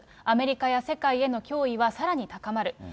アメリカや世界への脅威は、さらに高まる。